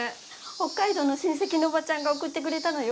北海道の親戚のおばちゃんが送ってくれたのよ。